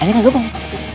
adiknya ustadz sefo